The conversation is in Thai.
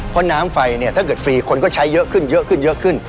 เพราะน้ำไฟเนี่ยถ้าเกิดฟรีคนก็ใช้เยอะขึ้นเยอะขึ้นเยอะขึ้น